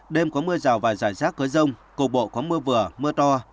đêm có mưa rào và giải rác cớ rông cổ bộ có mưa vừa mưa to